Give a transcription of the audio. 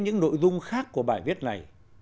và những nội dung khác của bài viết này